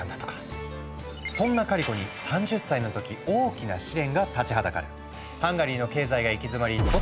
そんなカリコに３０歳の時大きな試練が立ちはだかる。